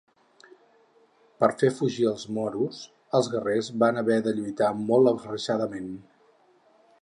Per fer fugir els moros els guerrers van haver de lluitar molt aferrissadament.